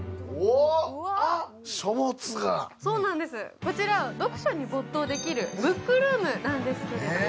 こちら、読書に没頭できるブックルームなんです。